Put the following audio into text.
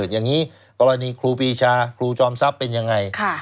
อย่างนี้กรณีครูปีชาครูจอมทรัพย์เป็นยังไง